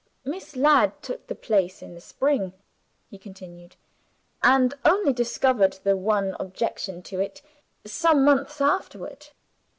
"Miss Ladd took the place in the spring," he continued; "and only discovered the one objection to it some months afterward.